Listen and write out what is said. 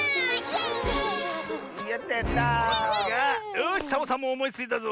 よしサボさんもおもいついたぞ！